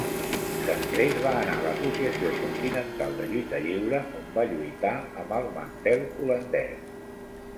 Després va anar a l'Associació Continental de Lluita Lliure on va lluitar amb el Mantel holandès.